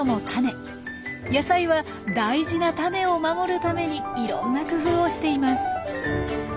野菜は大事なタネを守るためにいろんな工夫をしています。